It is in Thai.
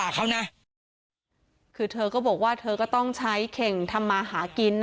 คือเธอก็บอกว่าเธอก็ต้องใช้เข่งทำมาหากิน